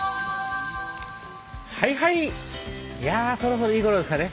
はいはい、そろそろいい頃ですかね。